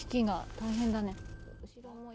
大変だね。